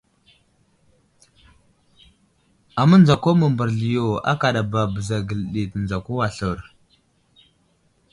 Amənzako mə mbərezl yo akadaba bəza geli ɗi tənzako aslər.